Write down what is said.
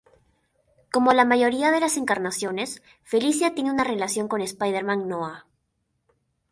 Como la mayoría de las encarnaciones, Felicia tiene una relación con Spider-Man Noir.